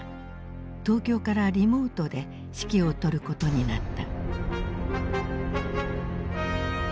東京からリモートで指揮を執ることになった。